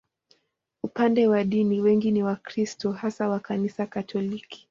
Upande wa dini, wengi ni Wakristo, hasa wa Kanisa Katoliki.